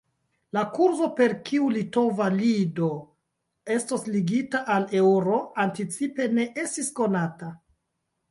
La kurzo per kiu litova lido estos ligita al eŭro anticipe ne estis konata.